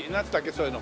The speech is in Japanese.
そういうの。